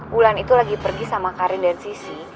bulan itu lagi pergi sama karin dan sisi